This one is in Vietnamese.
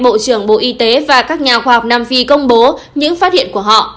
bộ trưởng bộ y tế và các nhà khoa học nam phi công bố những phát hiện của họ